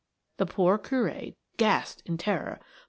The poor Curé gasped with terror.